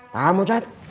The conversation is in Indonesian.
paham pak ustadz